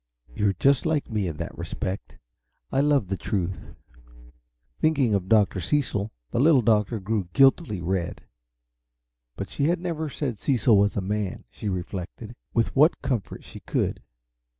You're just like me in that respect. I love the truth." Thinking of Dr. Cecil, the Little Doctor grew guiltily red. But she had never said Cecil was a man, she reflected, with what comfort she could.